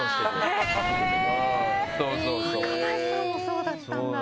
へえー、若林さんもそうだったんだ。